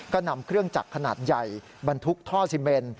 ก็นำเครื่องจักรขนาดใหญ่บรรทุกท่อซีเมน